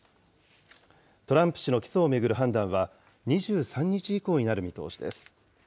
トランプ氏の起訴を巡る判断は、２３日以降になる見通しです。